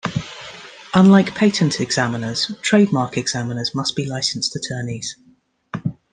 Unlike patent examiners, trademark examiners must be licensed attorneys.